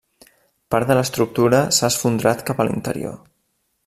Part de l'estructura s'ha esfondrat cap a l'interior.